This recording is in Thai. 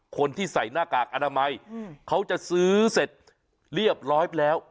คนที่ใส่หน้ากากอนามัยเขาจะซื้อเสร็จเรียบร้อยไปแล้ว